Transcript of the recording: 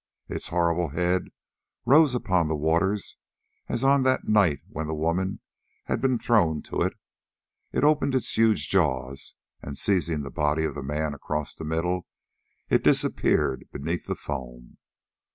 Its horrible head rose upon the waters as on that night when the woman had been thrown to it; it opened its huge jaws, and, seizing the body of the man across the middle, it disappeared beneath the foam.